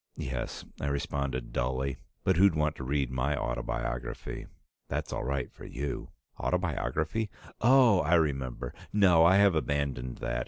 "Yes," I responded dully. "But who'd want to read my autobiography? That's all right for you." "Autobiography? Oh! I remember. No, I have abandoned that.